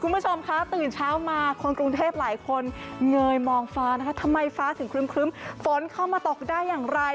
คุณผู้ชมคะตื่นเช้ามาคนกรุงเทพหลายคนเงยมองฟ้านะคะทำไมฟ้าถึงครึ้มฝนเข้ามาตกได้อย่างไร